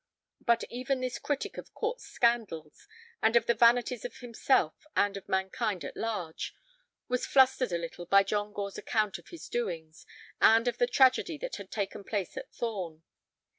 But even this critic of court scandals, and of the vanities of himself and of mankind at large, was flustered a little by John Gore's account of his doings, and of the tragedy that had taken place at Thorn.